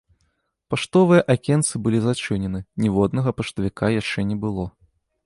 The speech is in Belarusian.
Паштовыя акенцы былі зачынены, ніводнага паштавіка яшчэ не было.